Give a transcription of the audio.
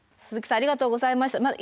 鈴木さんありがとうございました。